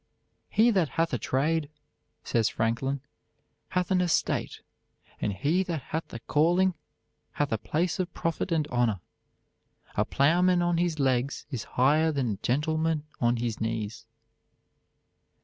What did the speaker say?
_" "He that hath a trade," says Franklin, "hath an estate; and he that hath a calling hath a place of profit and honor. A plowman on his legs is higher than a gentleman on his knees."